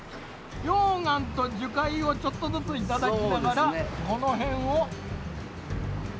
溶岩と樹海をちょっとずついただきながらこのへんを。